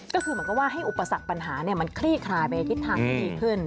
ก็คือเหมือนกับว่าให้อุปสรรคปัญหามันคลี่คลายไปในทิศทางที่ดีขึ้น